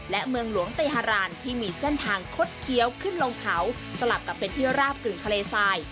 และเมืองหลวงเตฮารานที่มีเส้นทางคดเคี้ยวขึ้นลงเขาสลับกับเป็นที่ราบกึ่งทะเลทราย